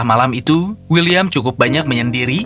kalau tidak saya akan mandarin ke hotel para